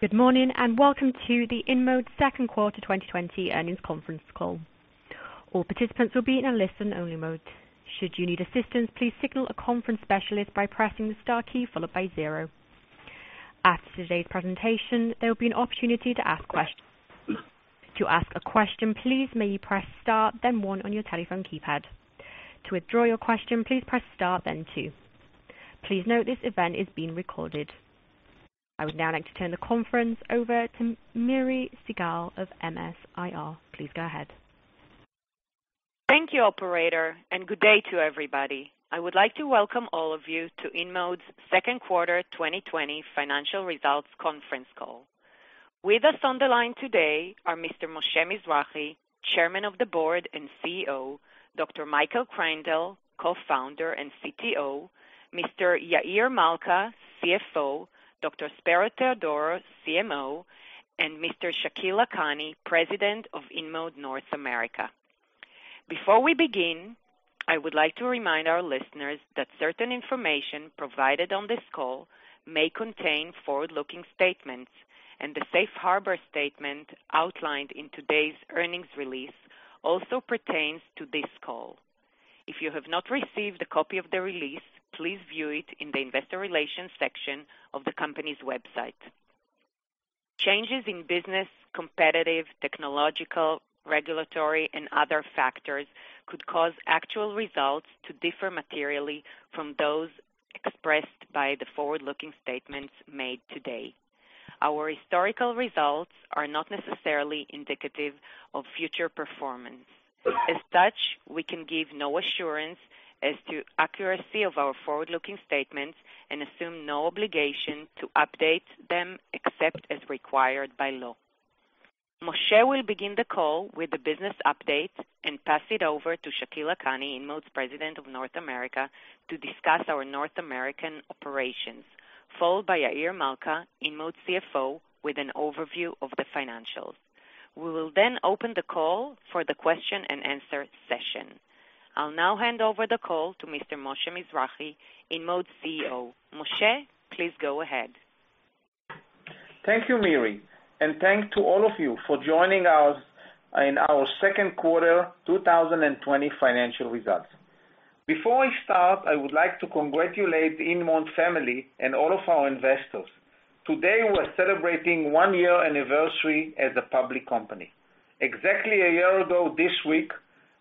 Good morning, and welcome to the InMode second quarter 2020 earnings conference call. All participants will be in a listen-only mode. Should you need assistance, please signal a conference specialist by pressing the star key followed by zero. After today's presentation, there will be an opportunity to ask questions. To ask a question, please may you press star then one on your telephone keypad. To withdraw your question, please press star then two. Please note this event is being recorded. I would now like to turn the conference over to Miri Segal of MS-IR. Please go ahead. Thank you, operator. Good day to everybody. I would like to welcome all of you to InMode's second quarter 2020 financial results conference call. With us on the line today are Mr. Moshe Mizrahy, Chairman of the Board and CEO, Dr. Michael Kreindel, Co-founder and CTO, Mr. Yair Malca, CFO, Dr. Spero Theodorou, CMO, and Mr. Shakil Lakhani, President of InMode North America. Before we begin, I would like to remind our listeners that certain information provided on this call may contain forward-looking statements, and the safe harbor statement outlined in today's earnings release also pertains to this call. If you have not received a copy of the release, please view it in the investor relations section of the company's website. Changes in business, competitive, technological, regulatory, and other factors could cause actual results to differ materially from those expressed by the forward-looking statements made today. Our historical results are not necessarily indicative of future performance. As such, we can give no assurance as to accuracy of our forward-looking statements and assume no obligation to update them except as required by law. Moshe will begin the call with the business update and pass it over to Shakil Lakhani, InMode's President of North America, to discuss our North American operations, followed by Yair Malca, InMode CFO, with an overview of the financials. We will open the call for the question-and-answer session. I'll now hand over the call to Mr. Moshe Mizrahy, InMode's CEO. Moshe, please go ahead. Thank you, Miri, and thanks to all of you for joining us in our second quarter 2020 financial results. Before we start, I would like to congratulate the InMode family and all of our investors. Today, we're celebrating one year anniversary as a public company. Exactly a year ago this week,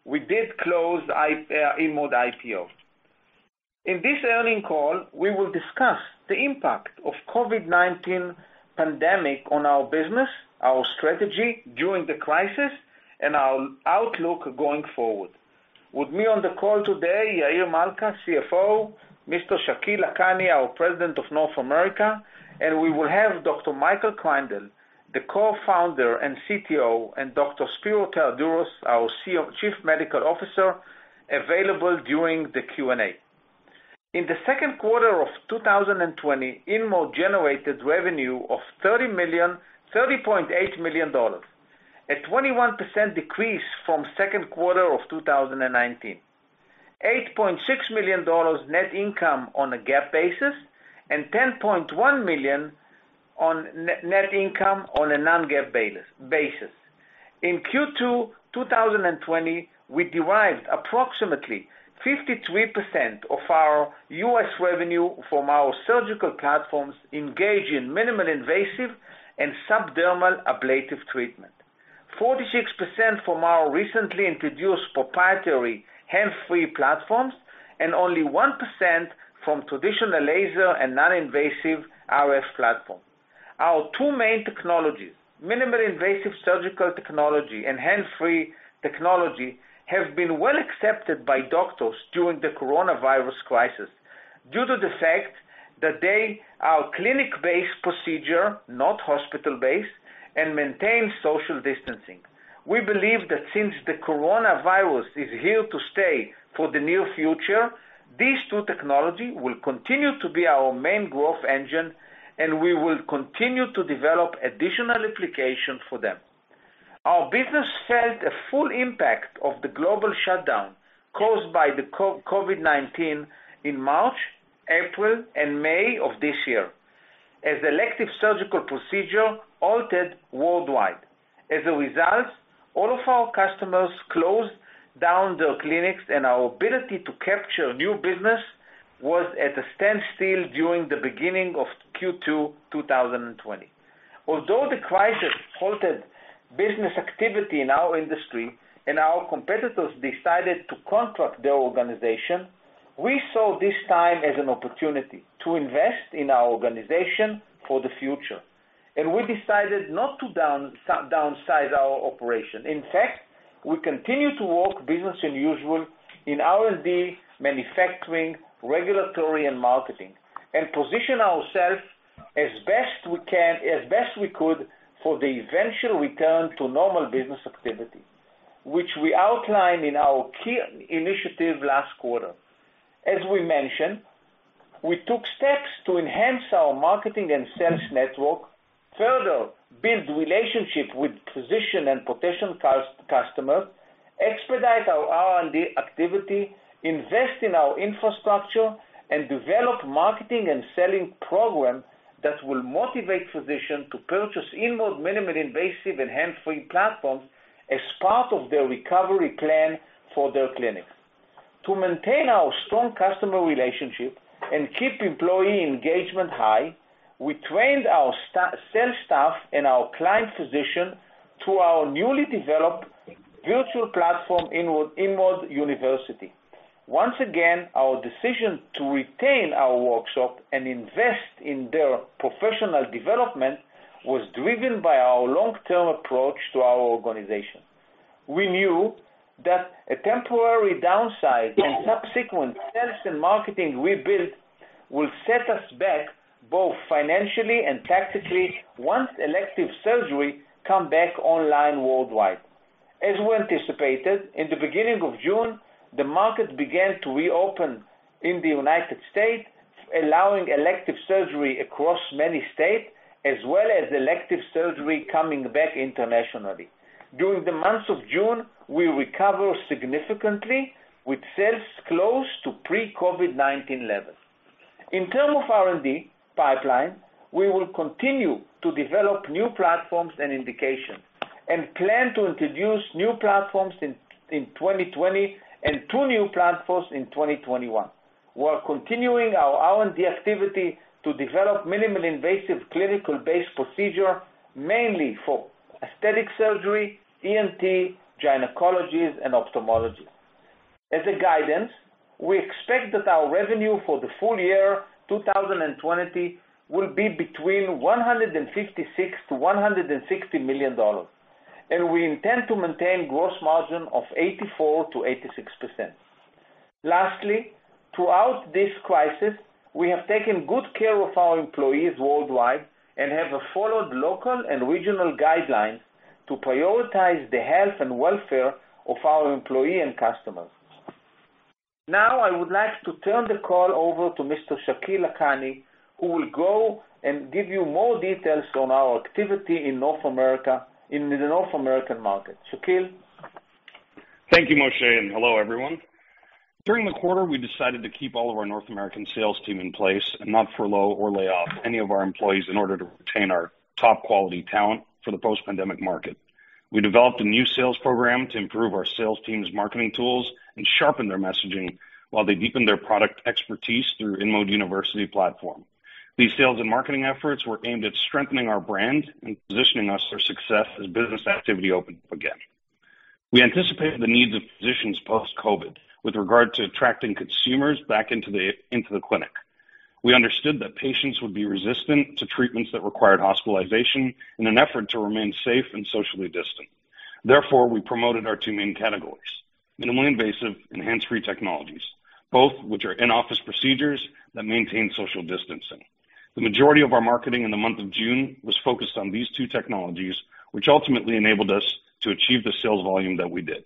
we did close InMode IPO. In this earnings call, we will discuss the impact of COVID-19 pandemic on our business, our strategy during the crisis, and our outlook going forward. With me on the call today, Yair Malca, CFO, Mr. Shakil Lakhani, our President of North America, and we will have Dr. Michael Kreindel, the Co-Founder and CTO, and Dr. Spero Theodorou, our Chief Medical Officer, available during the Q&A. In the second quarter of 2020, InMode generated revenue of $30.8 million, a 21% decrease from second quarter of 2019, $8.6 million net income on a GAAP basis, and $10.1 million net income on a non-GAAP basis. In Q2 2020, we derived approximately 53% of our U.S. revenue from our surgical platforms engaged in minimally invasive and subdermal ablative treatment, 46% from our recently introduced proprietary hands-free platforms, and only 1% from traditional laser and non-invasive RF platform. Our two main technologies, minimally invasive surgical technology and hands-free technology, have been well accepted by doctors during the coronavirus crisis due to the fact that they are clinic-based procedure, not hospital-based, and maintain social distancing. We believe that since the coronavirus is here to stay for the near future, these two technology will continue to be our main growth engine, and we will continue to develop additional application for them. Our business felt a full impact of the global shutdown caused by the COVID-19 in March, April, and May of this year as elective surgical procedure halted worldwide. All of our customers closed down their clinics, and our ability to capture new business was at a standstill during the beginning of Q2 2020. Although the crisis halted business activity in our industry and our competitors decided to contract their organization, we saw this time as an opportunity to invest in our organization for the future. We decided not to downsize our operation. In fact, we continue to work business as usual in R&D, manufacturing, regulatory, and marketing, and position ourselves as best we could for the eventual return to normal business activity, which we outlined in our key initiative last quarter. As we mentioned, we took steps to enhance our marketing and sales network, further build relationship with physician and potential customers, expedite our R&D activity, invest in our infrastructure, and develop marketing and selling program that will motivate physicians to purchase InMode minimally invasive and hands-free platforms as part of their recovery plan for their clinics. To maintain our strong customer relationship and keep employee engagement high, we trained our sales staff and our client physician to our newly developed virtual platform, InMode University. Once again, our decision to retain our workforce and invest in their professional development was driven by our long-term approach to our organization. We knew that a temporary downsize and subsequent sales and marketing rebuild will set us back both financially and tactically once elective surgery come back online worldwide. As we anticipated, in the beginning of June, the market began to reopen in the United States, allowing elective surgery across many states, as well as elective surgery coming back internationally. During the month of June, we recover significantly with sales close to pre-COVID-19 levels. In terms of R&D pipeline, we will continue to develop new platforms and indications, and plan to introduce new platforms in 2020 and two new platforms in 2021. We are continuing our R&D activity to develop minimally invasive clinical-based procedure, mainly for aesthetic surgery, ENT, gynecology, and ophthalmology. As a guidance, we expect that our revenue for the full year 2020 will be between $156 million-$160 million, we intend to maintain gross margin of 84%-86%. Lastly, throughout this crisis, we have taken good care of our employees worldwide and have followed local and regional guidelines to prioritize the health and welfare of our employee and customers. I would like to turn the call over to Mr. Shakil Lakhani, who will go and give you more details on our activity in the North American market. Shakil. Thank you, Moshe, and hello, everyone. During the quarter, we decided to keep all of our North American sales team in place and not furlough or lay off any of our employees in order to retain our top quality talent for the post-pandemic market. We developed a new sales program to improve our sales team's marketing tools and sharpen their messaging while they deepen their product expertise through InMode University platform. These sales and marketing efforts were aimed at strengthening our brand and positioning us for success as business activity opened up again. We anticipated the needs of physicians post-COVID with regard to attracting consumers back into the clinic. We understood that patients would be resistant to treatments that required hospitalization in an effort to remain safe and socially distant. Therefore, we promoted our two main categories, minimally invasive and hands-free technologies, both which are in-office procedures that maintain social distancing. The majority of our marketing in the month of June was focused on these two technologies, which ultimately enabled us to achieve the sales volume that we did.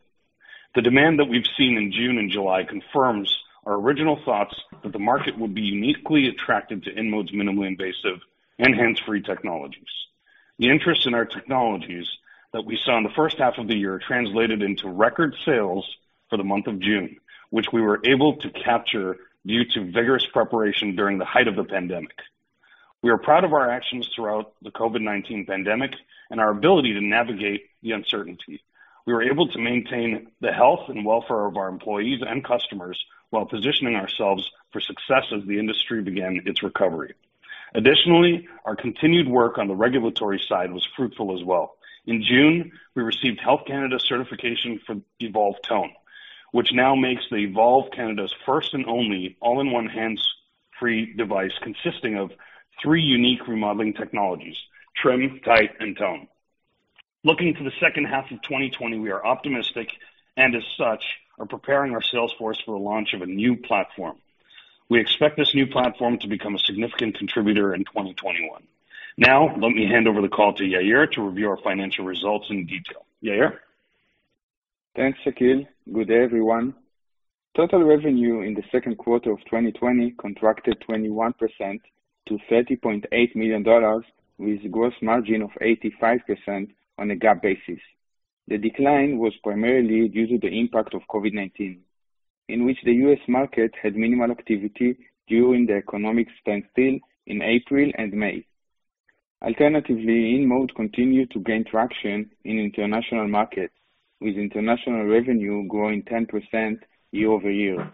The demand that we've seen in June and July confirms our original thoughts that the market would be uniquely attracted to InMode's minimally invasive and hands-free technologies. The interest in our technologies that we saw in the first half of the year translated into record sales for the month of June, which we were able to capture due to vigorous preparation during the height of the pandemic. We are proud of our actions throughout the COVID-19 pandemic and our ability to navigate the uncertainty. We were able to maintain the health and welfare of our employees and customers while positioning ourselves for success as the industry began its recovery. Our continued work on the regulatory side was fruitful as well. In June, we received Health Canada certification for Evolve Tone, which now makes the Evolve Canada's first and only all-in-one hands-free device consisting of three unique remodeling technologies, Trim, Tite, and Tone. Looking to the second half of 2020, we are optimistic, and as such, are preparing our sales force for a launch of a new platform. We expect this new platform to become a significant contributor in 2021. Let me hand over the call to Yair to review our financial results in detail. Yair? Thanks, Shakil. Good day, everyone. Total revenue in the second quarter of 2020 contracted 21% to $30.8 million, with gross margin of 85% on a GAAP basis. The decline was primarily due to the impact of COVID-19, in which the U.S. market had minimal activity during the economic standstill in April and May. Alternatively, InMode continued to gain traction in international markets, with international revenue growing 10% year-over-year.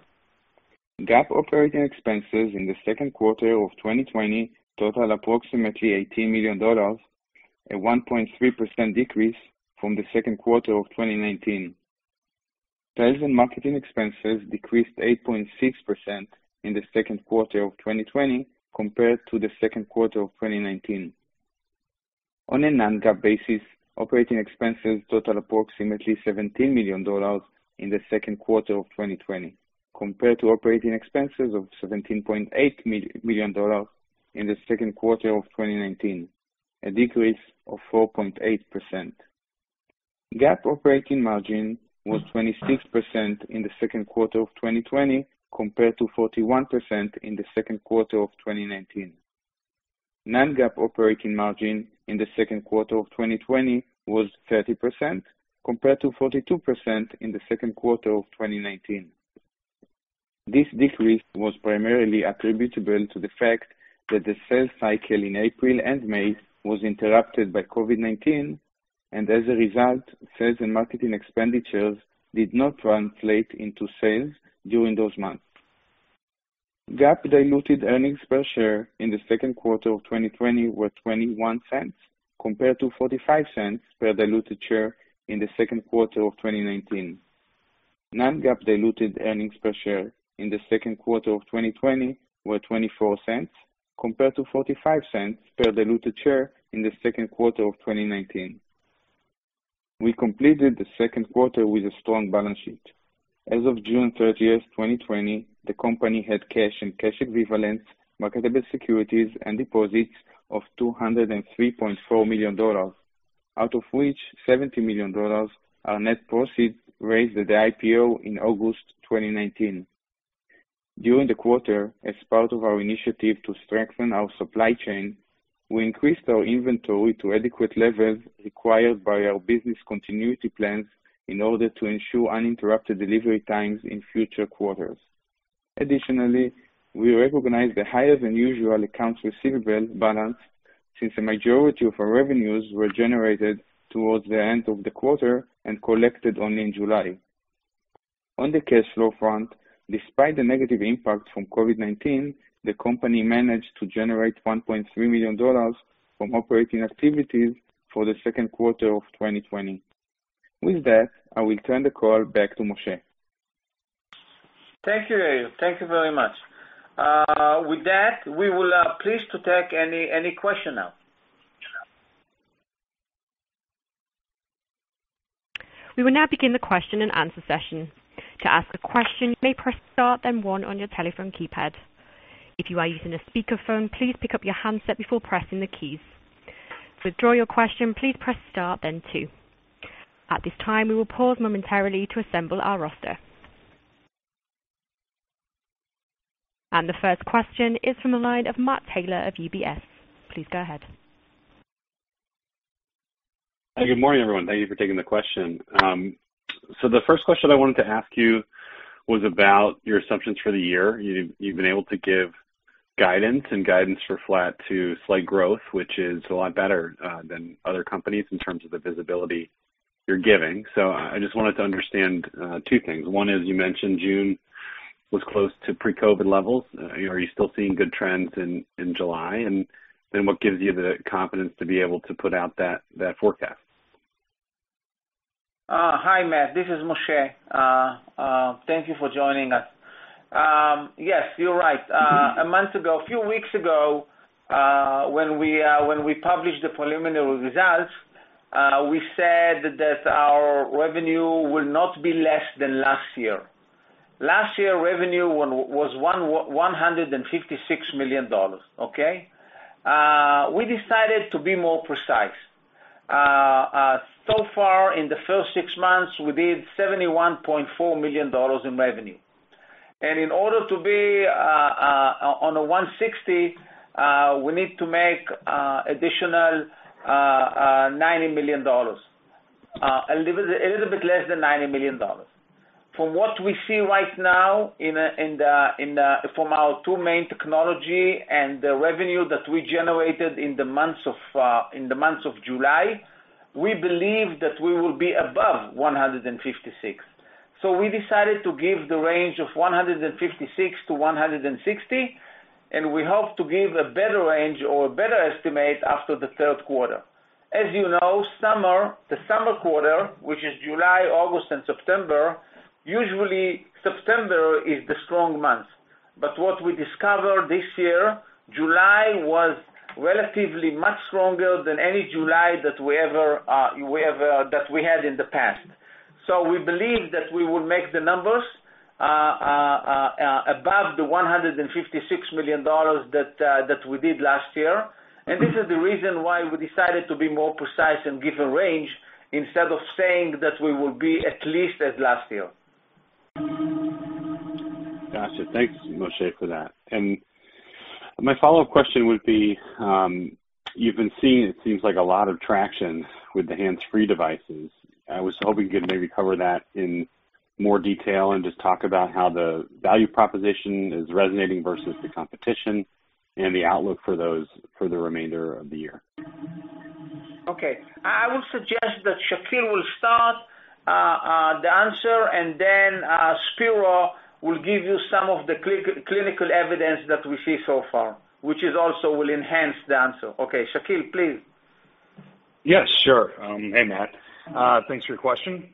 GAAP operating expenses in the second quarter of 2020 totaled approximately $18 million, a 1.3% decrease from the second quarter of 2019. Sales and marketing expenses decreased 8.6% in the second quarter of 2020 compared to the second quarter of 2019. On a non-GAAP basis, operating expenses totaled approximately $17 million in the second quarter of 2020, compared to operating expenses of $17.8 million in the second quarter of 2019, a decrease of 4.8%. GAAP operating margin was 26% in the second quarter of 2020, compared to 41% in the second quarter of 2019. Non-GAAP operating margin in the second quarter of 2020 was 30%, compared to 42% in the second quarter of 2019. This decrease was primarily attributable to the fact that the sales cycle in April and May was interrupted by COVID-19, and as a result, sales and marketing expenditures did not translate into sales during those months. GAAP diluted earnings per share in the second quarter of 2020 were $0.21, compared to $0.45 per diluted share in the second quarter of 2019. Non-GAAP diluted earnings per share in the second quarter of 2020 were $0.24, compared to $0.45 per diluted share in the second quarter of 2019. We completed the second quarter with a strong balance sheet. As of June 30th, 2020, the company had cash and cash equivalents, marketable securities, and deposits of $203.4 million, out of which $70 million are net proceeds raised at the IPO in August 2019. During the quarter, as part of our initiative to strengthen our supply chain, we increased our inventory to adequate levels required by our business continuity plans in order to ensure uninterrupted delivery times in future quarters. Additionally, we recognized the higher-than-usual accounts receivable balance since the majority of our revenues were generated towards the end of the quarter and collected only in July. On the cash flow front, despite the negative impact from COVID-19, the company managed to generate $1.3 million from operating activities for the second quarter of 2020. With that, I will turn the call back to Moshe. Thank you, Yair. Thank you very much. With that, we will be pleased to take any question now. We will now begin the question and answer session. To ask a question, you may press star, then one on your telephone keypad. If you are using a speakerphone, please pick up your handset before pressing the keys. To withdraw your question, please press star then two. At this time, we will pause momentarily to assemble our roster. The first question is from the line of Matt Taylor of UBS. Please go ahead. Good morning, everyone. Thank you for taking the question. The first question I wanted to ask you was about your assumptions for the year. You've been able to give guidance, and guidance for flat to slight growth, which is a lot better than other companies in terms of the visibility you're giving. I just wanted to understand two things. One is, you mentioned June was close to pre-COVID-19 levels. Are you still seeing good trends in July? What gives you the confidence to be able to put out that forecast? Hi, Matt. This is Moshe. Thank Thank you for joining us. Yes, you're right. A month ago, a few weeks ago, when we published the preliminary results, we said that our revenue will not be less than last year. Last year's revenue was $156 million. Okay. We decided to be more precise. So far in the first six months, we did $71.4 million in revenue. In order to be on the $160 million, we need to make additional $90 million. A little bit less than $90 million. From what we see right now from our two main technology and the revenue that we generated in the month of July, we believe that we will be above $156 million. We decided to give the range of $156 million-$160 million, and we hope to give a better range or a better estimate after the third quarter. As you know, the summer quarter, which is July, August, and September, usually September is the strong month. What we discovered this year, July was relatively much stronger than any July that we had in the past. We believe that we will make the numbers above the $156 million that we did last year. This is the reason why we decided to be more precise and give a range instead of saying that we will be at least as last year. Got you. Thanks, Moshe, for that. My follow-up question would be, you've been seeing, it seems, like a lot of traction with the hands-free devices. I was hoping you could maybe cover that in more detail and just talk about how the value proposition is resonating versus the competition and the outlook for those for the remainder of the year. Okay. I would suggest that Shakil will start the answer, and then Spero will give you some of the clinical evidence that we see so far, which also will enhance the answer. Okay. Shakil, please. Yes, sure. Hey, Matt. Thanks for your question.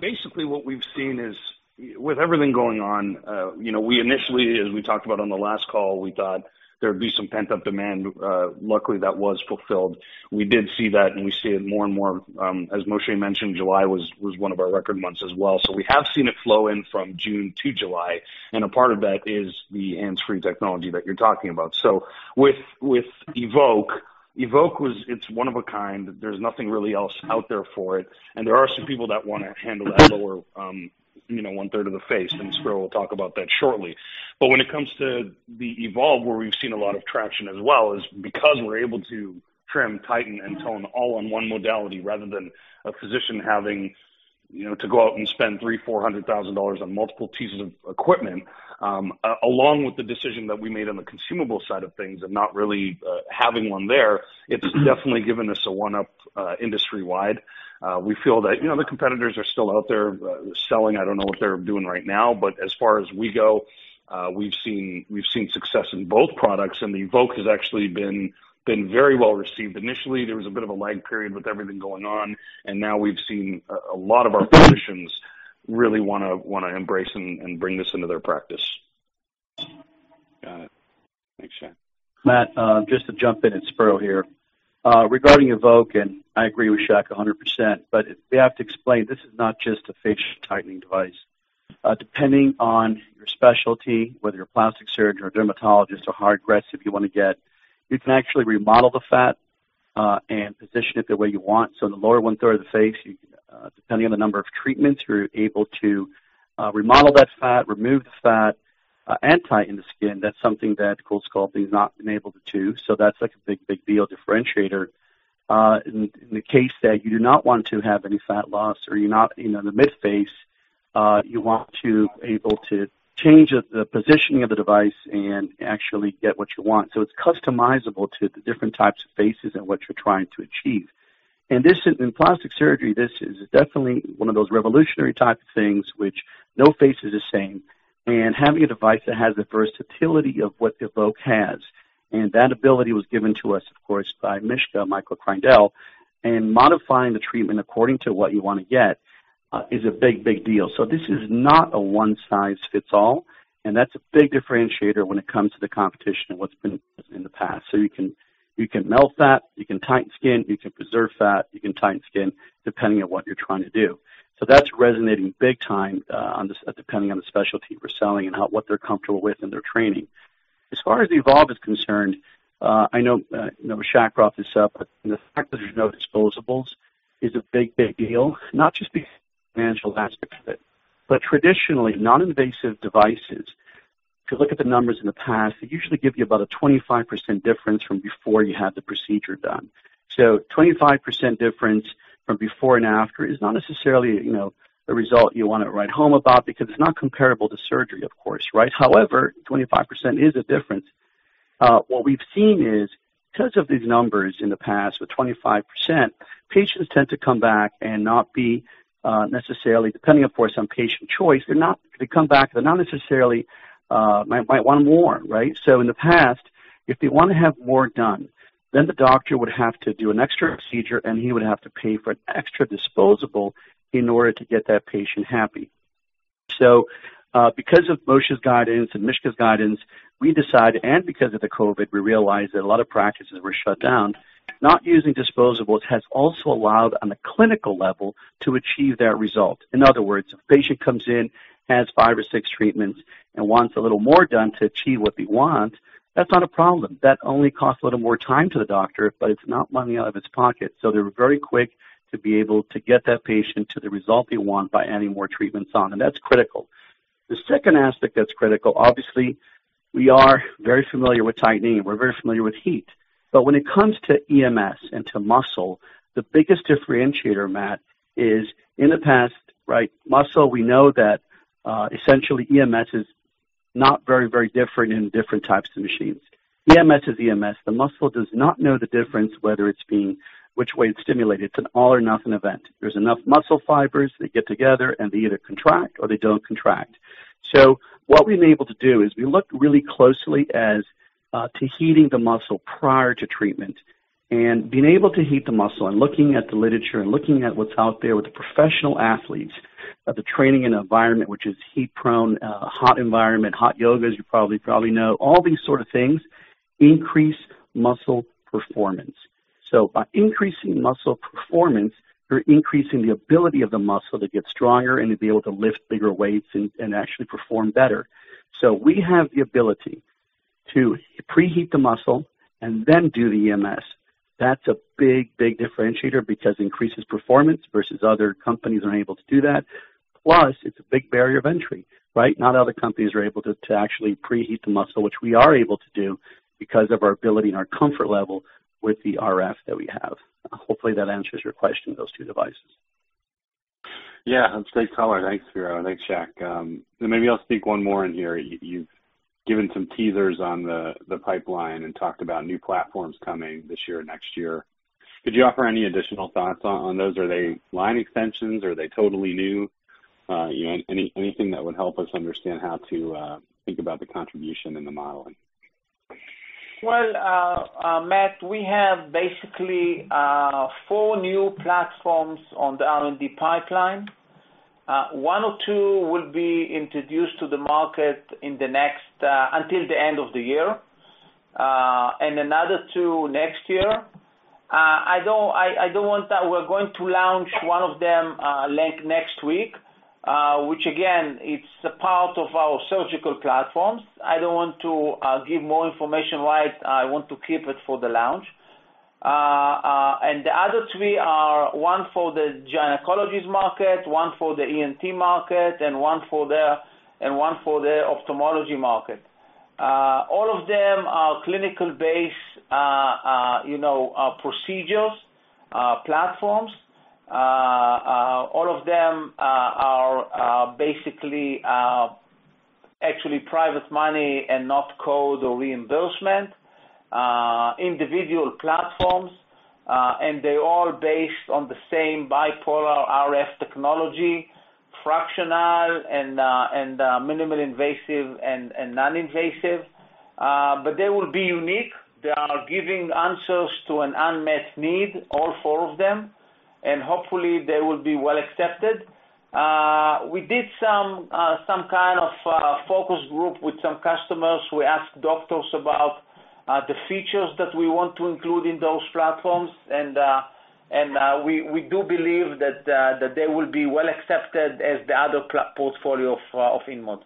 Basically what we've seen is with everything going on, we initially, as we talked about on the last call, we thought there'd be some pent-up demand. Luckily, that was fulfilled. We did see that, and we see it more and more. As Moshe mentioned, July was one of our record months as well. We have seen it flow in from June to July, and a part of that is the hands-free technology that you're talking about. With Evoke. Evoke, it's one of a kind. There's nothing really else out there for it, and there are some people that want to handle that lower 1/3 of the face, and Spero will talk about that shortly. When it comes to the Evolve, where we've seen a lot of traction as well, is because we're able to trim, tighten, and tone all on one modality rather than a physician having to go out and spend $300,000, $400,000 on multiple pieces of equipment. Along with the decision that we made on the consumable side of things and not really having one there, it's definitely given us a one-up industry-wide. We feel that the competitors are still out there selling. I don't know what they're doing right now. As far as we go, we've seen success in both products, and the Evoke has actually been very well-received. Initially, there was a bit of a lag period with everything going on, and now we've seen a lot of our physicians really want to embrace and bring this into their practice. Got it. Thanks, Shakil. Matt, just to jump in. It's Spero here. Regarding Evoke, and I agree with Shakil 100%, but we have to explain, this is not just a facial tightening device. Depending on your specialty, whether you're a plastic surgeon or a dermatologist or how aggressive you want to get, you can actually remodel the fat and position it the way you want. In the lower 1/3 of the face, depending on the number of treatments, you're able to remodel that fat, remove the fat, and tighten the skin. That's something that CoolSculpting has not been able to do, so that's a big deal differentiator. In the case that you do not want to have any fat loss or in the mid-face, you want to be able to change the positioning of the device and actually get what you want. It's customizable to the different types of faces and what you're trying to achieve. In plastic surgery, this is definitely one of those revolutionary type of things, which no face is the same, and having a device that has the versatility of what the Evoke has, and that ability was given to us, of course, by Mishka, Michael Kreindel, and modifying the treatment according to what you want to get is a big deal. This is not a one-size-fits-all, and that's a big differentiator when it comes to the competition and what's been in the past. You can melt fat, you can tighten skin, you can preserve fat, you can tighten skin, depending on what you're trying to do. That's resonating big time, depending on the specialty we're selling and what they're comfortable with in their training. As far as Evolve is concerned, I know Shakil brought this up, but the fact that there's no disposables is a big, big deal. Not just because of the financial aspect of it, but traditionally, non-invasive devices, if you look at the numbers in the past, they usually give you about a 25% difference from before you had the procedure done. 25% difference from before and after is not necessarily a result you want to write home about because it's not comparable to surgery, of course, right. However, 25% is a difference. What we've seen is because of these numbers in the past with 25%, patients tend to come back and not be necessarily, depending, of course, on patient choice, they come back, they're not necessarily might want more, right. In the past, if they want to have more done, then the doctor would have to do an extra procedure, and he would have to pay for an extra disposable in order to get that patient happy. Because of Moshe's guidance and Mishka's guidance, we decided, and because of the COVID, we realized that a lot of practices were shut down. Not using disposables has also allowed on a clinical level to achieve that result. In other words, a patient comes in, has five or six treatments and wants a little more done to achieve what they want, that's not a problem. That only costs a little more time to the doctor, but it's not money out of his pocket. They're very quick to be able to get that patient to the result they want by adding more treatments on, and that's critical. The second aspect that's critical, obviously, we are very familiar with tightening. We are very familiar with heat. When it comes to EMS and to muscle, the biggest differentiator, Matt, is in the past, muscle, we know that essentially EMS is not very different in different types of machines. EMS is EMS. The muscle does not know the difference whether it is being which way it is stimulated. It is an all or nothing event. There is enough muscle fibers, they get together, and they either contract or they do not contract. What we've been able to do is we looked really closely as to heating the muscle prior to treatment and being able to heat the muscle and looking at the literature and looking at what's out there with the professional athletes, the training and environment, which is heat-prone, hot environment, hot yoga, as you probably know, all these sort of things increase muscle performance. By increasing muscle performance, you're increasing the ability of the muscle to get stronger and to be able to lift bigger weights and actually perform better. We have the ability to preheat the muscle and then do the EMS. That's a big differentiator because it increases performance versus other companies aren't able to do that. Plus, it's a big barrier of entry, right. Not other companies are able to actually preheat the muscle, which we are able to do because of our ability and our comfort level with the RF that we have. Hopefully, that answers your question, those two devices. Yeah. That's a great color. Thanks, Spero. Thanks, Shakil. Maybe I'll sneak one more in here. You've given some teasers on the pipeline and talked about new platforms coming this year or next year. Could you offer any additional thoughts on those? Are they line extensions? Are they totally new? Anything that would help us understand how to think about the contribution in the modeling. Well, Matt, we have basically four new platforms on the R&D pipeline. One or two will be introduced to the market until the end of the year, and another two next year. We're going to launch one of them next week, which again, it's a part of our surgical platforms. I don't want to give more information right, I want to keep it for the launch. The other three are one for the gynecologies market, one for the ENT market, and one for the ophthalmology market. All of them are clinical-based procedures, platforms. All of them are basically, actually private money and not code or reimbursement, individual platforms, and they're all based on the same bipolar RF technology, fractional and minimal invasive and non-invasive. They will be unique. They are giving answers to an unmet need, all four of them, and hopefully, they will be well accepted. We did some kind of focus group with some customers. We asked doctors about the features that we want to include in those platforms. We do believe that they will be well accepted as the other platform portfolio of InMode.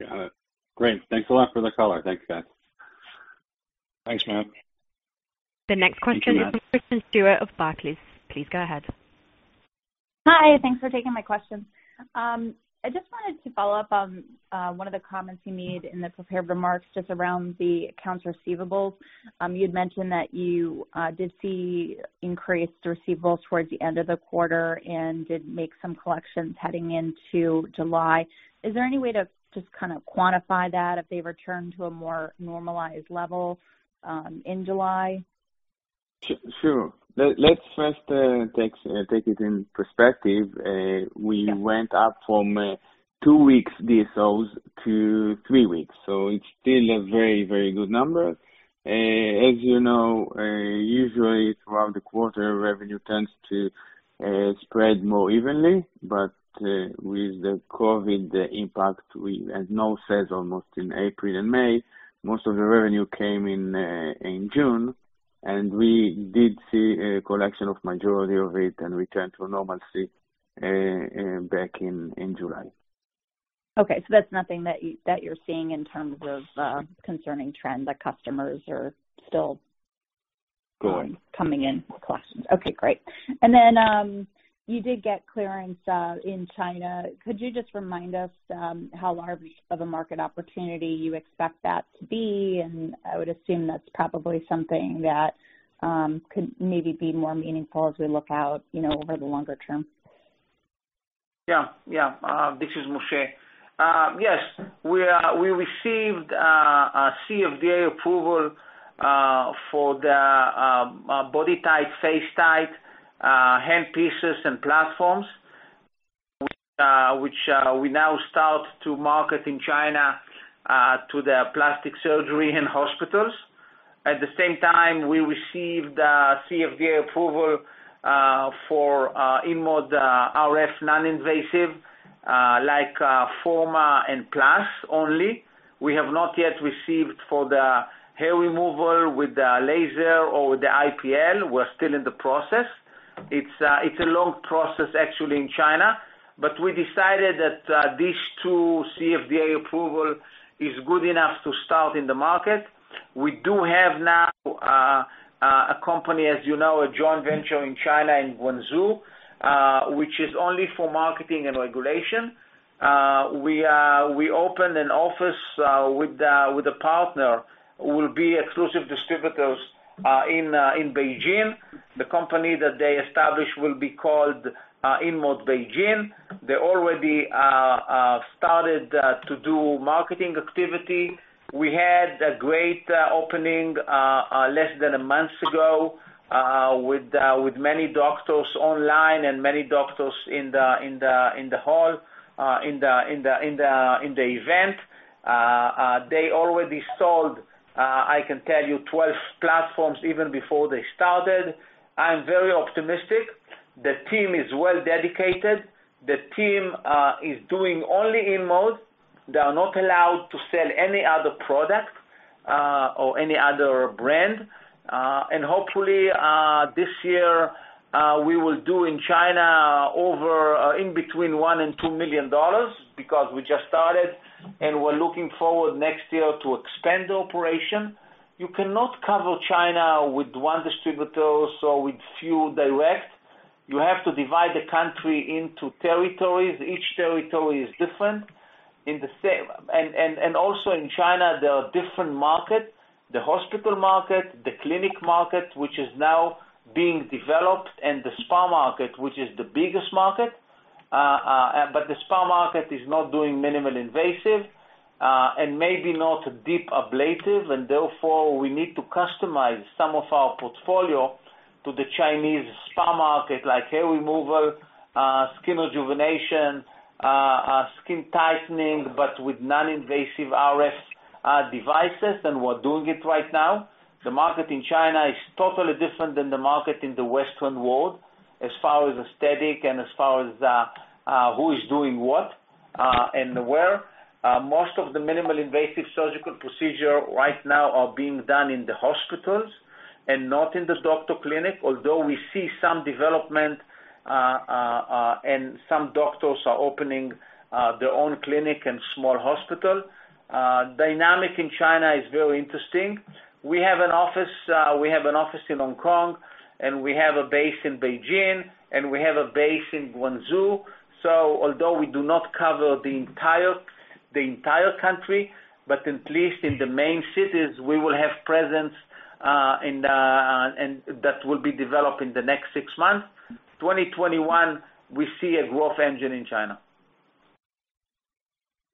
Got it. Great. Thanks a lot for the color. Thanks, guys. Thanks, Matt. The next question is from Kristen Stewart of Barclays. Please go ahead. Hi. Thanks for taking my question. I just wanted to follow up on one of the comments you made in the prepared remarks just around the accounts receivables. You'd mentioned that you did see increased receivables towards the end of the quarter and did make some collections heading into July. Is there any way to just kind of quantify that if they return to a more normalized level in July? Sure. Let's first take it in perspective. We went up from two weeks DSOs to three weeks. It's still a very good number. As you know, usually throughout the quarter, revenue tends to spread more evenly, with the COVID impact, as Moshe says, almost in April and May, most of the revenue came in June. We did see a collection of majority of it and returned to normalcy back in July. Okay. That's nothing that you're seeing in terms of concerning trends that customers are still-. Good Coming in with questions. Okay, great. You did get clearance in China. Could you just remind us how large of a market opportunity you expect that to be, and I would assume that's probably something that could maybe be more meaningful as we look out over the longer term? Yeah. This is Moshe. Yes. We received a CFDA approval for the BodyTite, FaceTite hand pieces and platforms, which we now start to market in China to the plastic surgery and hospitals. At the same time, we received a CFDA approval for InMode RF non-invasive, like Forma and Forma Plus only. We have not yet received for the hair removal with the laser or with the IPL. We're still in the process. It's a long process actually in China, but we decided that these two CFDA approvals are good enough to start in the market. We do have now a company, as you know, a joint venture in China, in Guangzhou, which is only for marketing and regulation. We opened an office with a partner who will be exclusive distributors in Beijing. The company that they established will be called InMode Beijing. They already started to do marketing activity. We had a great opening less than a month ago, with many doctors online and many doctors in the hall, in the event. They already sold, I can tell you, 12 platforms even before they started. I'm very optimistic. The team is well dedicated. The team is doing only InMode. They are not allowed to sell any other product, or any other brand. Hopefully, this year, we will do in China over $1 million-$2 million because we just started, and we're looking forward next year to expand the operation. You cannot cover China with one distributor or with few direct. You have to divide the country into territories. Each territory is different. Also in China, there are different markets, the hospital market, the clinic market, which is now being developed, and the spa market, which is the biggest market. The spa market is not doing minimally invasive, and maybe not deep ablative, and therefore, we need to customize some of our portfolio to the Chinese spa market, like hair removal, skin rejuvenation, skin tightening, but with non-invasive RF devices, and we're doing it right now. The market in China is totally different than the market in the Western world, as far as aesthetic and as far as who is doing what. Where most of the minimally invasive surgical procedure right now are being done in the hospitals and not in the doctor's clinic. Although we see some development, and some doctors are opening their own clinic and small hospital. The dynamic in China is very interesting. We have an office in Hong Kong, and we have a base in Beijing, and we have a base in Guangzhou. Although we do not cover the entire country, but at least in the main cities, we will have presence that will be developed in the next six months. 2021, we see a growth engine in China.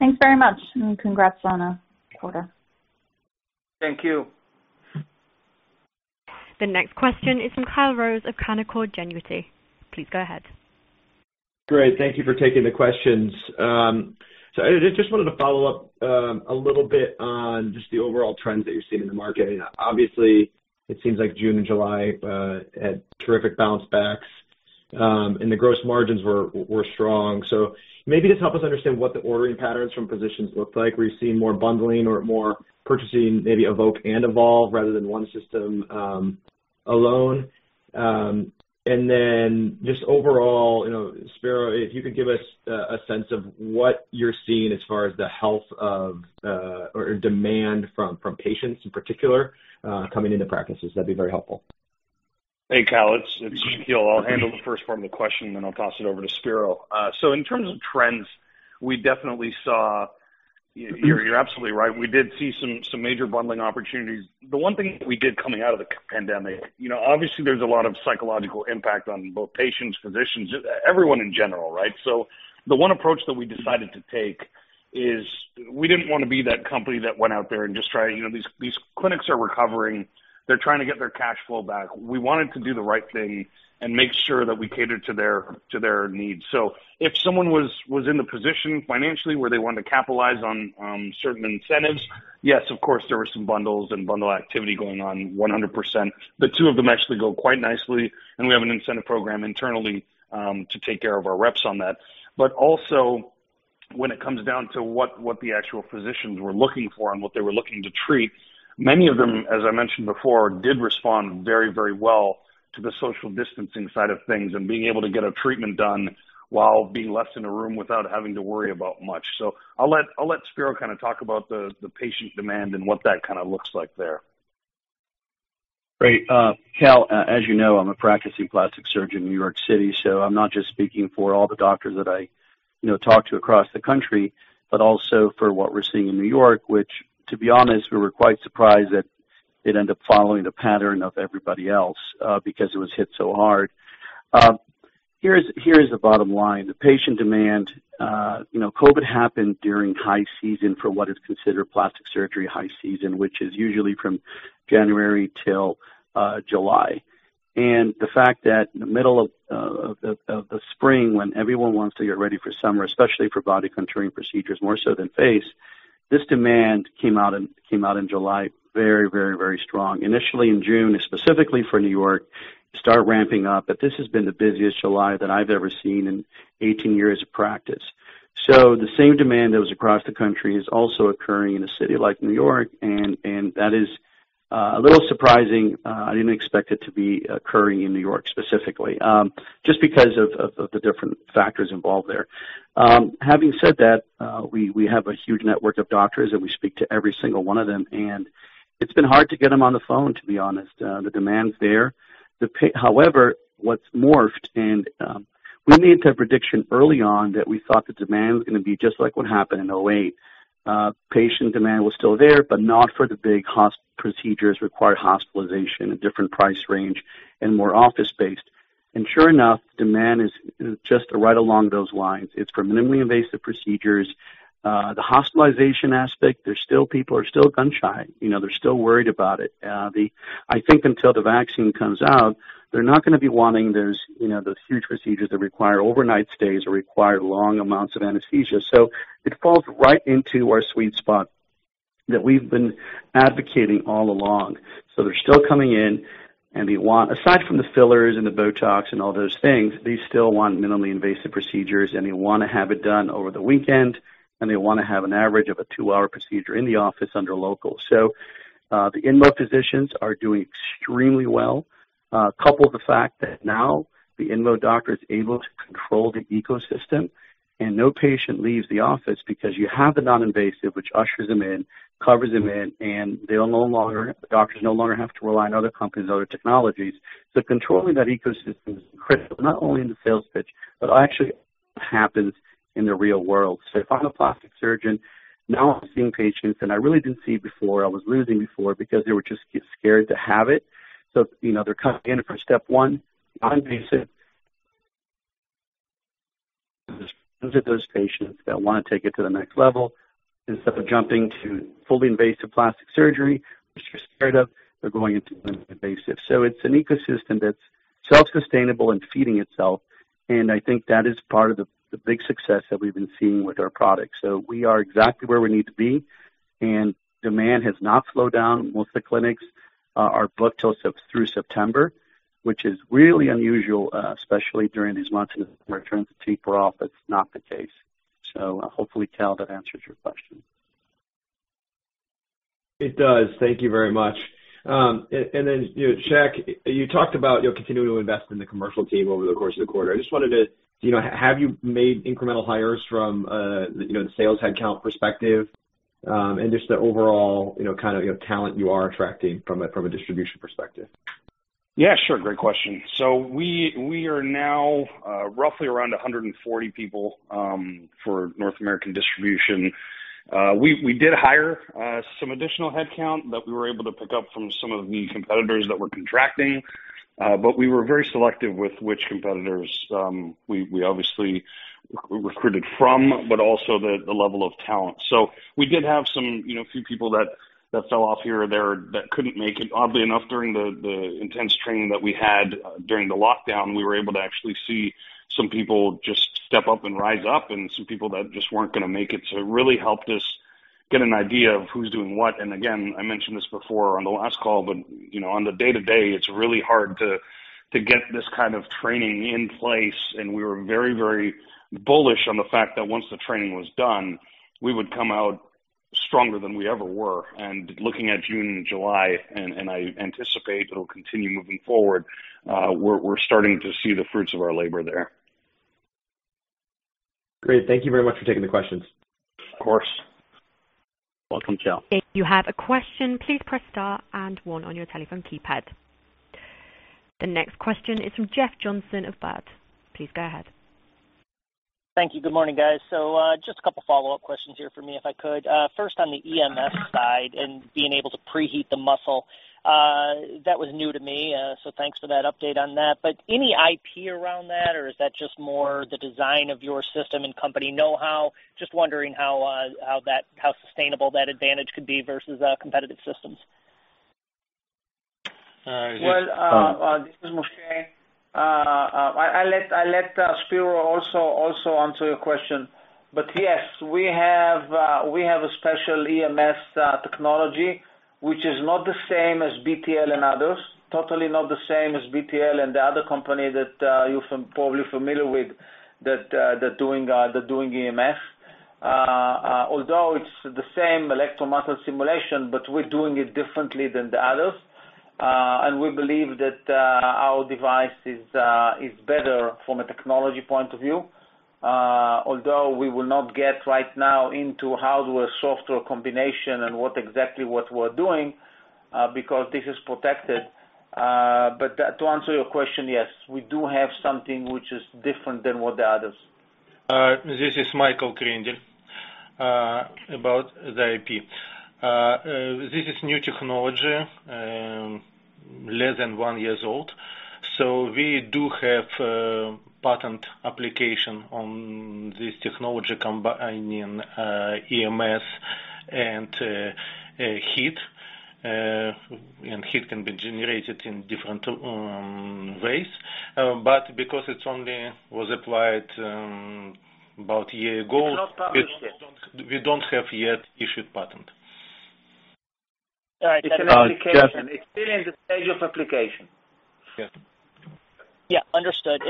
Thanks very much, and congrats on a quarter. Thank you. The next question is from Kyle Rose of Canaccord Genuity. Please go ahead. Great. Thank you for taking the questions. I just wanted to follow up a little bit on just the overall trends that you're seeing in the market. Obviously, it seems like June and July had terrific bounce backs, and the gross margins were strong. Maybe just help us understand what the ordering patterns from physicians looked like. Were you seeing more bundling or more purchasing, maybe Evoke and Evolve rather than one system alone? Just overall, Spero, if you could give us a sense of what you're seeing as far as the health or demand from patients in particular coming into practices, that'd be very helpful. Hey, Kyle, it's Shakil. I'll handle the first form of the question, then I'll pass it over to Spero. In terms of trends, you're absolutely right. We did see some major bundling opportunities. The one thing we did coming out of the pandemic, obviously, there's a lot of psychological impact on both patients, physicians, everyone in general, right. The one approach that we decided to take is we didn't want to be that company that went out there. These clinics are recovering. They're trying to get their cash flow back. We wanted to do the right thing and make sure that we catered to their needs. If someone was in the position financially where they wanted to capitalize on certain incentives, yes, of course, there were some bundles and bundle activity going on 100%. The two of them actually go quite nicely, and we have an incentive program internally, to take care of our reps on that. Also when it comes down to what the actual physicians were looking for and what they were looking to treat, many of them, as I mentioned before, did respond very well to the social distancing side of things and being able to get a treatment done while being left in a room without having to worry about much. I'll let Spero kind of talk about the patient demand and what that kind of looks like there. Great. Kyle, as you know, I'm a practicing plastic surgeon in New York City, so I'm not just speaking for all the doctors that I talk to across the country, but also for what we're seeing in New York, which, to be honest, we were quite surprised that it ended up following the pattern of everybody else, because it was hit so hard. Here's the bottom line, the patient demand. COVID happened during high season for what is considered plastic surgery high season, which is usually from January till July. The fact that in the middle of the spring, when everyone wants to get ready for summer, especially for body contouring procedures, more so than face, this demand came out in July very strong. Initially in June, specifically for New York, it started ramping up. This has been the busiest July that I've ever seen in 18 years of practice. The same demand that was across the country is also occurring in a city like New York, and that is a little surprising. I didn't expect it to be occurring in New York specifically, just because of the different factors involved there. Having said that, we have a huge network of doctors, and we speak to every single one of them, and it's been hard to get them on the phone, to be honest. The demand's there. However, what's morphed, and we made the prediction early on that we thought the demand was going to be just like what happened in 2008. Patient demand was still there, but not for the big procedures require hospitalization, a different price range, and more office-based. Sure enough, demand is just right along those lines. It's for minimally invasive procedures. The hospitalization aspect, people are still gun-shy. They're still worried about it. I think until the vaccine comes out, they're not going to be wanting those huge procedures that require overnight stays or require long amounts of anesthesia. It falls right into our sweet spot that we've been advocating all along. They're still coming in, aside from the fillers and the BOTOX and all those things, they still want minimally invasive procedures, and they want to have it done over the weekend, and they want to have an average of a two-hour procedure in the office under local. The InMode physicians are doing extremely well. Couple the fact that now the InMode doctor is able to control the ecosystem and no patient leaves the office because you have the non-invasive, which ushers them in, covers them in, and the doctors no longer have to rely on other companies, other technologies. Controlling that ecosystem is critical, not only in the sales pitch, but actually happens in the real world. If I'm a plastic surgeon, now I'm seeing patients that I really didn't see before. I was losing before because they were just scared to have it. They're coming in for step one, non-invasive. Those patients that want to take it to the next level, instead of jumping to fully invasive plastic surgery, which they're scared of, they're going into minimally invasive. It's an ecosystem that's self-sustainable and feeding itself, and I think that is part of the big success that we've been seeing with our product. We are exactly where we need to be, and demand has not slowed down. Most of the clinics are booked till through September, which is really unusual, especially during these months as return to office, not the case. Hopefully, Kyle, that answers your question. It does. Thank you very much. Shakil, you talked about continuing to invest in the commercial team over the course of the quarter. Have you made incremental hires from the sales headcount perspective, and just the overall talent you are attracting from a distribution perspective? Yeah, sure. Great question. We are now roughly around 140 people, for North American distribution. We did hire some additional headcount that we were able to pick up from some of the competitors that were contracting. We were very selective with which competitors we obviously recruited from, but also the level of talent. We did have some few people that fell off here or there that couldn't make it. Oddly enough, during the intense training that we had during the lockdown, we were able to actually see some people just step up and rise up and some people that just weren't going to make it. It really helped us get an idea of who's doing what. Again, I mentioned this before on the last call, but on the day-to-day, it's really hard to get this kind of training in place. We were very bullish on the fact that once the training was done, we would come out stronger than we ever were. Looking at June and July, and I anticipate it'll continue moving forward, we're starting to see the fruits of our labor there. Great. Thank you very much for taking the questions. Of course. Welcome, Kyle. If you have a question, please press star and one on your telephone keypad. The next question is from Jeff Johnson of Baird. Please go ahead. Thank you. Good morning, guys. Just a couple follow-up questions here from me if I could. First on the EMS side and being able to preheat the muscle, that was new to me, so thanks for that update on that. Any IP around that, or is that just more the design of your system and company know-how? Just wondering how sustainable that advantage could be versus competitive systems. All right. Well, this is Moshe. I let Spero also answer your question. Yes, we have a special EMS technology, which is not the same as BTL and others, totally not the same as BTL and the other company that you're probably familiar with, that doing EMS. Although it's the same electro muscle stimulation, but we're doing it differently than the others. We believe that our device is better from a technology point of view. Although we will not get right now into how do a software combination and what exactly we're doing, because this is protected. To answer your question, yes, we do have something which is different than what the others. This is Michael Kreindel, about the IP. This is new technology, less than one years old. We do have a patent application on this technology combining EMS and heat. Heat can be generated in different ways. Because it's only was applied about a year ago. It's not patented yet. We don't have yet issued patent. All right. It's an application. It's still in the stage of application. Yes. Yeah, understood.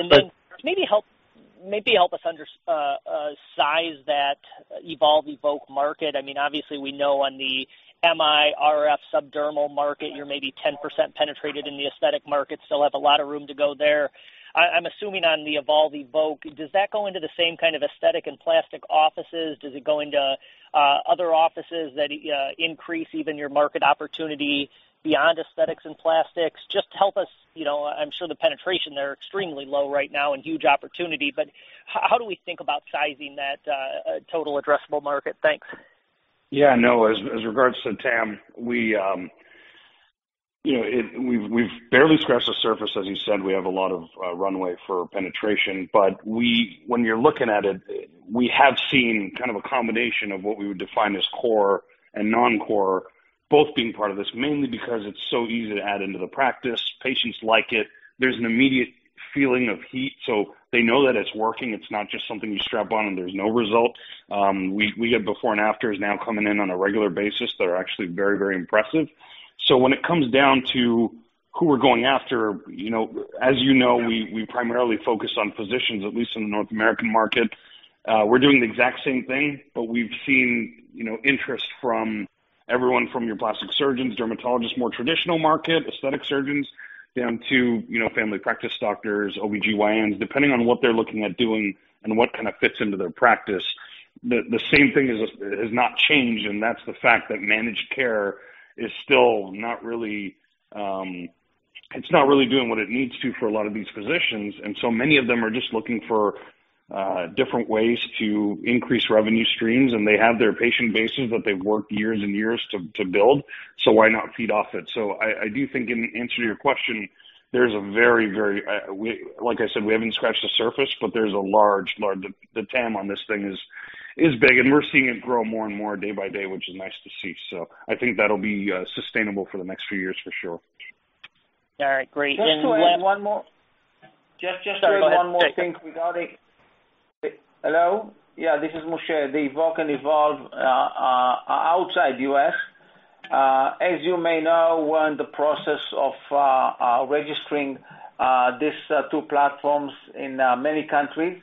Maybe help us understand the size that Evolve, Evoke market. Obviously, we know on the MI, RF subdermal market, you're maybe 10% penetrated in the aesthetic market, still have a lot of room to go there. I'm assuming on the Evolve, Evoke, does that go into the same kind of aesthetic and plastic offices? Does it go into other offices that increase even your market opportunity beyond aesthetics and plastics? Help us, I'm sure the penetration there are extremely low right now and huge opportunity, how do we think about sizing that total addressable market? Thanks. Yeah, no, as regards to TAM, we've barely scratched the surface, as you said. We have a lot of runway for penetration, but when you're looking at it, we have seen kind of a combination of what we would define as core and non-core, both being part of this, mainly because it's so easy to add into the practice. Patients like it. There's an immediate feeling of heat, so they know that it's working. It's not just something you strap on and there's no result. We get before and afters now coming in on a regular basis that are actually very impressive. When it comes down to who we're going after, as you know, we primarily focus on physicians, at least in the North American market. We're doing the exact same thing, but we've seen interest from everyone from your plastic surgeons, dermatologists, more traditional market, aesthetic surgeons, down to family practice doctors, OBGYNs, depending on what they're looking at doing and what kind of fits into their practice. The same thing has not changed, and that's the fact that managed care it's not really doing what it needs to for a lot of these physicians. Many of them are just looking for different ways to increase revenue streams, and they have their patient bases that they've worked years and years to build. Why not feed off it. I do think in answer to your question, like I said, we haven't scratched the surface, but there's a large, the TAM on this thing is big, and we're seeing it grow more and more day by day, which is nice to see. I think that'll be sustainable for the next few years for sure. All right, great. Just to add one more. Sorry, go ahead. Just to add one more thing regarding Hello? Yeah, this is Moshe. The Evoke and Evolve outside U.S., as you may know, we're in the process of registering these two platforms in many countries.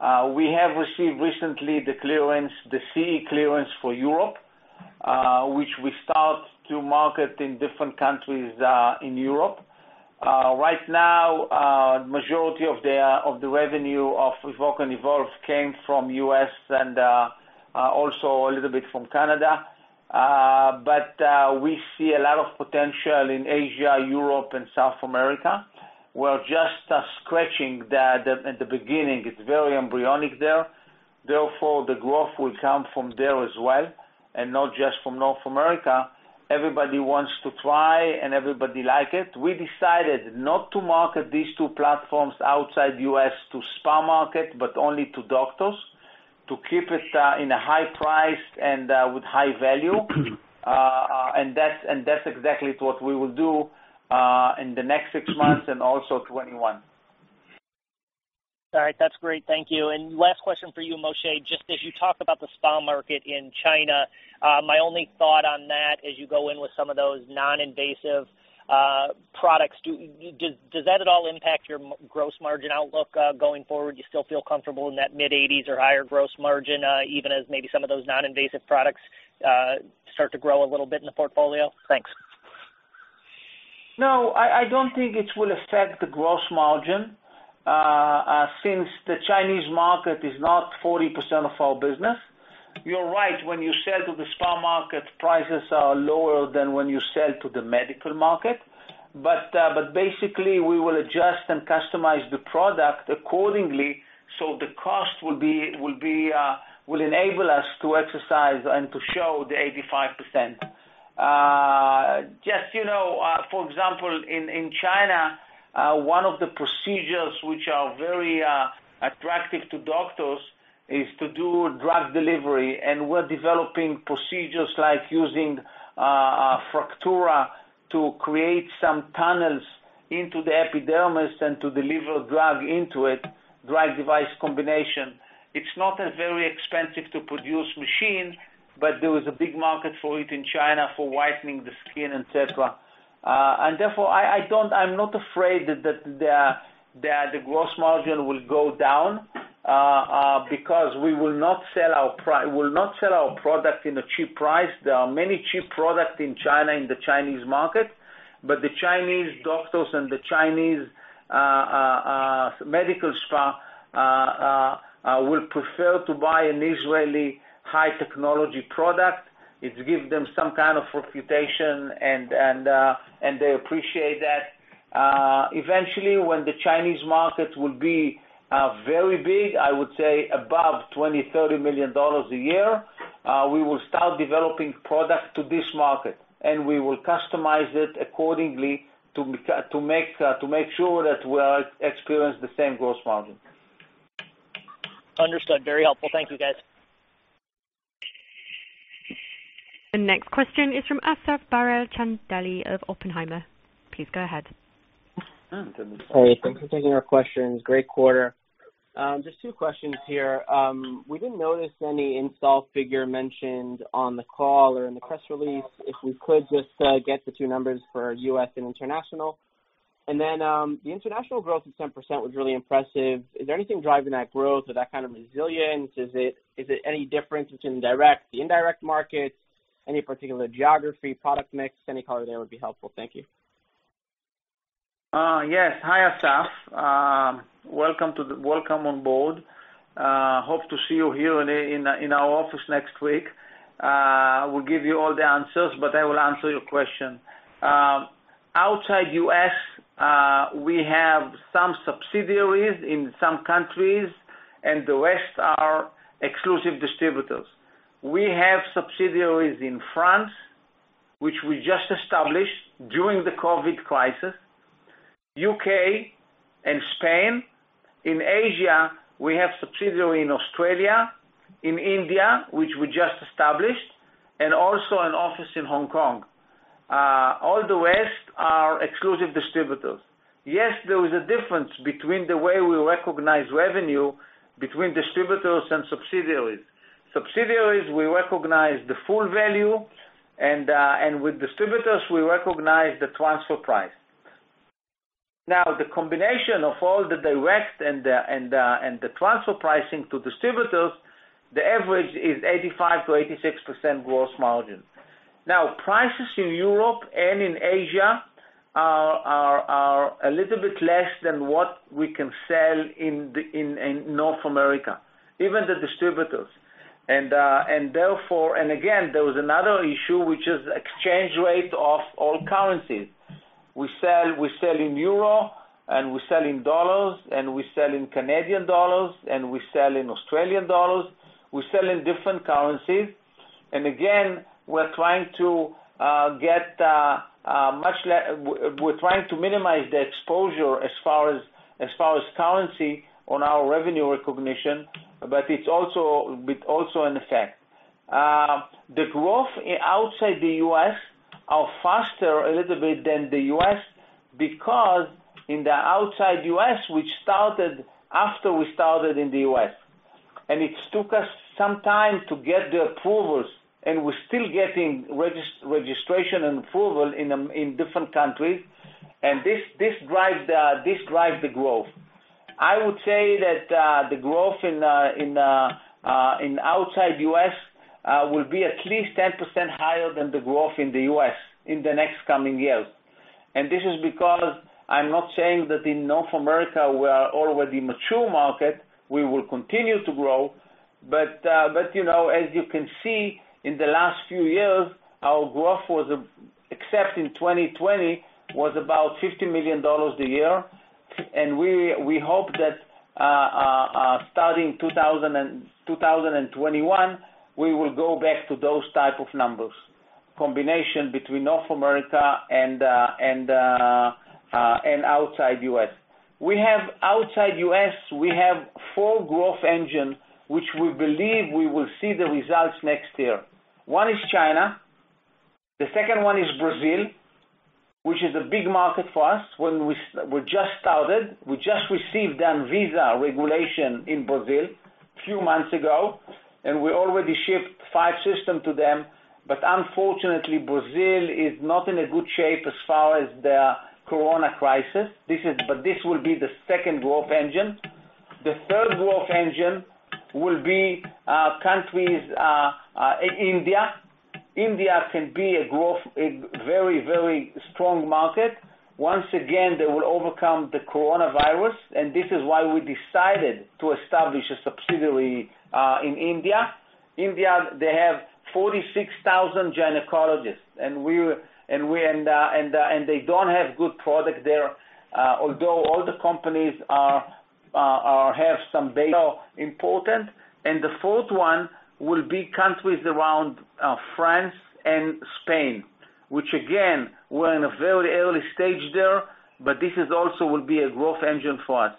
We have received recently the CE clearance for Europe, which we start to market in different countries in Europe. Right now, majority of the revenue of Evoke and Evolve came from U.S. and also a little bit from Canada. We see a lot of potential in Asia, Europe, and South America. We're just scratching that at the beginning. It's very embryonic there, therefore, the growth will come from there as well, and not just from North America. Everybody wants to try, and everybody like it. We decided not to market these two platforms outside U.S. to spa market, but only to doctors, to keep it in a high price and with high value. That's exactly what we will do in the next six months and also 2021. All right. That's great. Thank you. Last question for you, Moshe, just as you talk about the spa market in China, my only thought on that as you go in with some of those non-invasive products, does that at all impact your gross margin outlook going forward? Do you still feel comfortable in that mid-80% or higher gross margin, even as maybe some of those non-invasive products start to grow a little bit in the portfolio? Thanks. No, I don't think it will affect the gross margin since the Chinese market is not 40% of our business. You're right, when you sell to the spa market, prices are lower than when you sell to the medical market. Basically, we will adjust and customize the product accordingly, so the cost will enable us to exercise and to show the 85%. Just for example, in China, one of the procedures which are very attractive to doctors is to do drug delivery, and we're developing procedures like using Fractora to create some tunnels into the epidermis and to deliver a drug into it, drug device combination. It's not a very expensive to produce machine, but there is a big market for it in China for whitening the skin, et cetera. Therefore, I'm not afraid that the gross margin will go down because we will not sell our product in a cheap price. There are many cheap products in China, in the Chinese market, but the Chinese doctors and the Chinese medical spa will prefer to buy an Israeli high technology product. It gives them some kind of reputation, and they appreciate that. Eventually, when the Chinese market will be very big, I would say above $20 million, $30 million a year, we will start developing product to this market, and we will customize it accordingly to make sure that we experience the same gross margin. Understood. Very helpful. Thank you, guys. The next question is from Asaf Barel of Oppenheimer. Please go ahead. Hey, thanks for taking our questions. Great quarter. Just two questions here. We didn't notice any install figure mentioned on the call or in the press release. If we could just get the two numbers for U.S. and international. The international growth of 10% was really impressive. Is there anything driving that growth or that kind of resilience? Is it any difference between direct, the indirect markets, any particular geography, product mix? Any color there would be helpful. Thank you. Yes. Hi, Asaf. Welcome on board. Hope to see you here in our office next week. We'll give you all the answers. I will answer your question. Outside U.S., we have some subsidiaries in some countries, and the rest are exclusive distributors. We have subsidiaries in France, which we just established during the COVID crisis, U.K., and Spain. In Asia, we have subsidiary in Australia, in India, which we just established, and also an office in Hong Kong. All the rest are exclusive distributors. Yes, there is a difference between the way we recognize revenue between distributors and subsidiaries. Subsidiaries, we recognize the full value, and with distributors, we recognize the transfer price. Now, the combination of all the direct and the transfer pricing to distributors, the average is 85%-86% gross margin. Prices in Europe and in Asia are a little bit less than what we can sell in North America, even the distributors. Again, there is another issue, which is exchange rate of all currencies. We sell in euro, we sell in U.S. dollars, we sell in Canadian dollars, we sell in Australian dollars. We sell in different currencies. Again, we're trying to minimize the exposure as far as currency on our revenue recognition, it's also an effect. The growth outside the U.S. are faster a little bit than the U.S. because in the outside U.S., which started after we started in the U.S., it took us some time to get the approvals, we're still getting registration and approval in different countries, this drives the growth. I would say that the growth in outside U.S. will be at least 10% higher than the growth in the U.S. in the next coming years. This is because I'm not saying that in North America, we are already mature market. We will continue to grow. As you can see, in the last few years, our growth, except in 2020, was about $50 million a year. We hope that starting 2021, we will go back to those type of numbers, combination between North America and outside U.S. Outside U.S., we have four growth engine, which we believe we will see the results next year. One is China. The second one is Brazil, which is a big market for us when we just started. We just received ANVISA regulation in Brazil few months ago, and we already shipped five system to them. Unfortunately, Brazil is not in a good shape as far as the corona crisis. This will be the second growth engine. The third growth engine will be India. India can be a very strong market. Once again, they will overcome the coronavirus, and this is why we decided to establish a subsidiary in India. India, they have 46,000 gynecologists, and they don't have good product there, although all the companies have some [data important. The fourth one will be countries around France and Spain, which again, we're in a very early stage there, but this also will be a growth engine for us.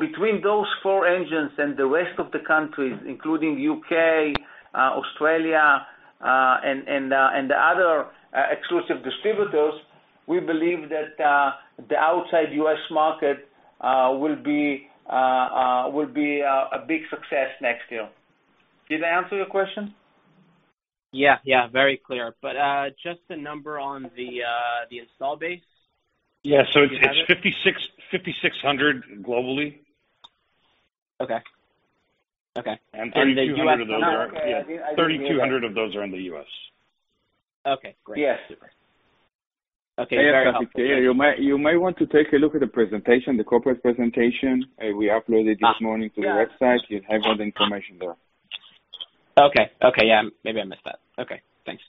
Between those four engines and the rest of the countries, including U.K., Australia, and the other exclusive distributors, we believe that the outside U.S. market will be a big success next year. Did I answer your question? Yeah. Very clear. Just a number on the install base. Do you have it? Yeah. It's 5,600 globally. Okay. 3,200 of those are in the U.S. Okay, great. Yes. Okay. Very helpful. You might want to take a look at the presentation, the corporate presentation we uploaded this morning to the website. You have all the information there. Okay. Yeah. Maybe I missed that. Okay, thanks.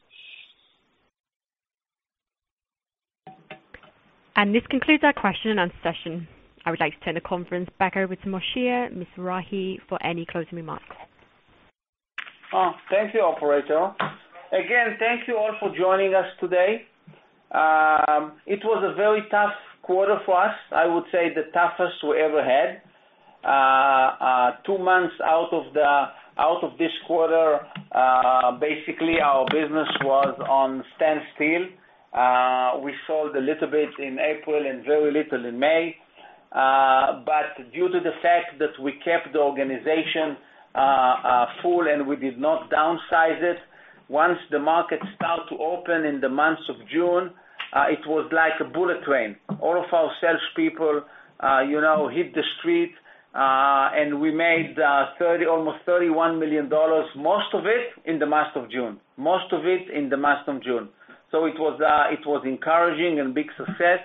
This concludes our question and answer session. I would like to turn the conference back over to Moshe Mizrahy, for any closing remarks. Thank you, operator. Again, thank you all for joining us today. It was a very tough quarter for us. I would say the toughest we ever had. Two months out of this quarter, basically our business was on standstill. We sold a little bit in April and very little in May. Due to the fact that we kept the organization full, and we did not downsize it, once the market start to open in the months of June, it was like a bullet train. All of our salespeople hit the street, and we made almost $31 million, most of it in the month of June. It was encouraging and big success.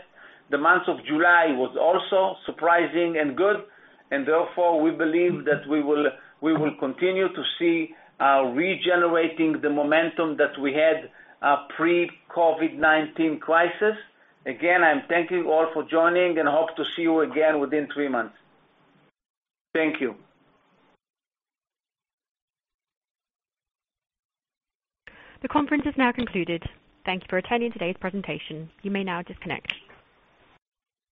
The month of July was also surprising and good, and therefore, we believe that we will continue to see regenerating the momentum that we had pre-COVID-19 crisis. Again, I'm thanking all for joining and hope to see you again within three months. Thank you. The conference is now concluded. Thank you for attending today's presentation. You may now disconnect.